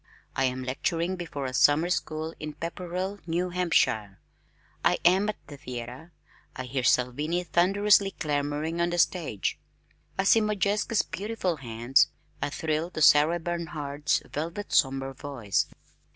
I am lecturing before a summer school in Pepperel, New Hampshire.... I am at the theater, I hear Salvini thunderously clamoring on the stage. I see Modjeska's beautiful hands. I thrill to Sarah Bernhardt's velvet somber voice....